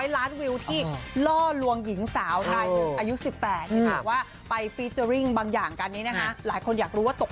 ล้านวิวที่ล่อลวงหญิงสาวรายหนึ่งอายุ๑๘ที่บอกว่าไปฟีเจอร์ริ่งบางอย่างกันนี้นะคะหลายคนอยากรู้ว่าตก